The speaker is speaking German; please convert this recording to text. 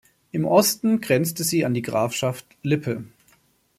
Im Osten grenzte sie an die Grafschaft Lippe.